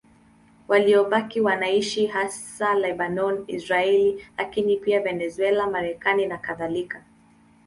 Waliobaki wanaishi hasa Lebanoni, Israeli, lakini pia Venezuela, Marekani nakadhalika.